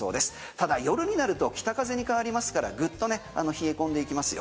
ただ、夜になると北風に変わりますからグッと冷え込んでいきますよ。